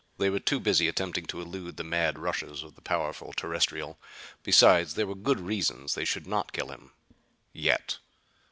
They were too busy attempting to elude the mad rushes of the powerful Terrestrial. Besides, there were good reasons they should not kill him yet.